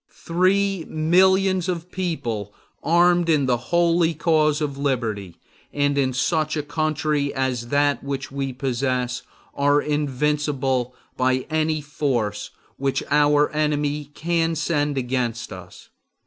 Three millions of people armed in the holy cause of liberty, and in such a country as that which we possess, are invincible by any force which our enemy can send against us.